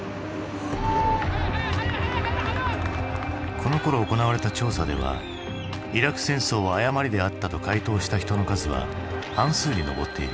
このころ行われた調査では「イラク戦争は誤りであった」と回答した人の数は半数に上っている。